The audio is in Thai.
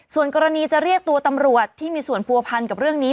ส่วนกรณีจะเรียกตัวตำรวจที่มีส่วนผัวพันกับเรื่องนี้